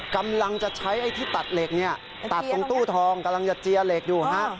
กำลังจะใช้ไอ้ที่ตัดเหล็กเนี่ยตัดตรงตู้ทองกำลังจะเจียเหล็กอยู่ฮะ